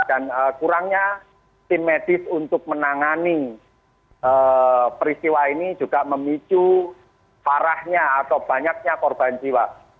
dan kurangnya tim medis untuk menangani peristiwa ini juga memicu parahnya atau banyaknya korban jiwa